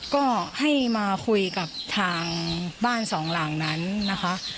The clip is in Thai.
ก็ให้มาคุยกับทางบ้านสองหลังนั้นนะคะ